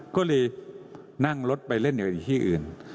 ก็เลยนั่งรถไปเล่นอยู่ที่อื่น